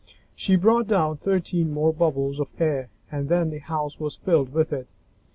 She brought down thirteen more bubbles of air and then the house was filled with it.